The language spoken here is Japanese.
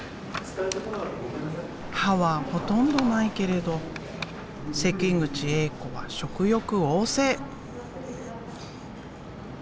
歯はほとんどないけれど関口エイ子は食欲旺盛。